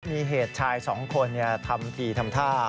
มีเหตุชายสองคนทำทีทำท่า